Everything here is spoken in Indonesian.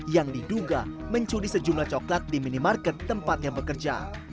yang diduga mencuri sejumlah coklat di minimarket tempatnya bekerja